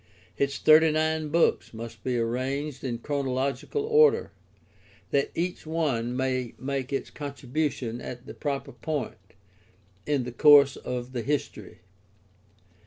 Its thirty nine books must be arranged in chrono logical order, that each one may make its contribution at the proper point in the course of the history.